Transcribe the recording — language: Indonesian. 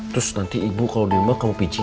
terus nanti ibu kalau di rumah kamu pici